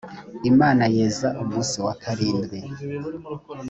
imana yeza umunsi wa karindwi